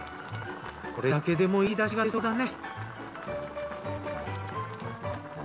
これだけでもいいだしが出そうだね。